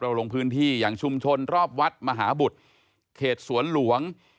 ลงพื้นที่อย่างชุมชนรอบวัดมหาบุตรเขตสวนหลวง